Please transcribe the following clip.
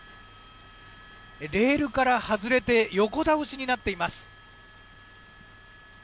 レールから外れて横倒しになっています。